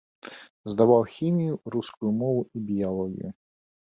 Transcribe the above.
Здаваў хімію, рускую мову і біялогію.